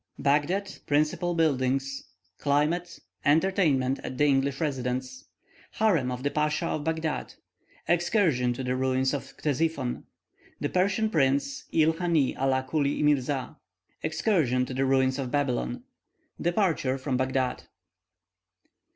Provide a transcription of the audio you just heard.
BAGHDAD PRINCIPAL BUILDINGS CLIMATE ENTERTAINMENT AT THE ENGLISH RESIDENT'S HAREM OF THE PASCHA OF BAGHDAD EXCURSION TO THE RUINS OF CTESIPHON THE PERSIAN PRINCE, IL HANY ALA CULY MIRZA EXCURSION TO THE RUINS OF BABYLON DEPARTURR FROM BAGHDAD.